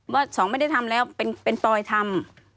สองไม่ได้ทำแล้วเป็นปลอยทำ